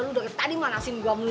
lo dari tadi manasin gue ngelulu